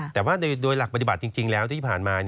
แต่ว่าโดยหลักปฏิบัติจริงแล้วที่ผ่านมา